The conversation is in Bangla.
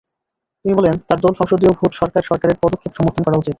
তিনি বলেন, তার দল সংসদীয় ভোট সরকার সরকারের পদক্ষেপ সমর্থন করা উচিত।